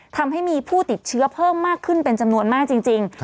ทำให้มีผู้ติดเชื้อเพิ่มมากขึ้นเป็นจำนวนมากจริง